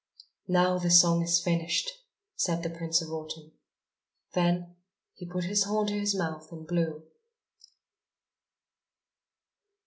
"Now the song is finished!" said the Prince of Autumn. Then he put his horn to his mouth and blew.